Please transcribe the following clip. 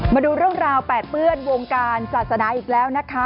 มาดูเรื่องราวแปดเปื้อนวงการศาสนาอีกแล้วนะคะ